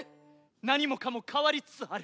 何もかも変わりつつある。